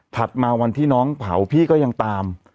มาวันที่น้องเผาพี่ก็ยังตาม